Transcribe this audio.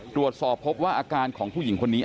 ตรวจสอบพบว่าอาการของผู้หญิงคนนี้